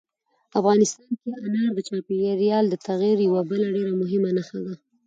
افغانستان کې انار د چاپېریال د تغیر یوه بله ډېره مهمه نښه ده.